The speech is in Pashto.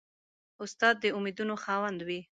استاد د امیدونو خاوند وي.